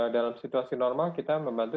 dalam situasi normal kita membantu